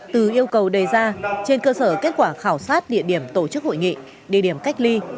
từ yêu cầu đề ra trên cơ sở kết quả khảo sát địa điểm tổ chức hội nghị địa điểm cách ly